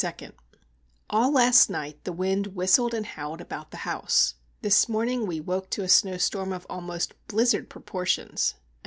All last night the wind whistled and howled about the house. This morning we woke to a snowstorm of almost blizzard proportions.